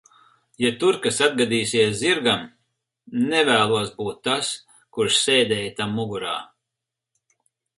Ja tur kas atgadīsies zirgam, nevēlos būt tas, kurš sēdēja tam mugurā.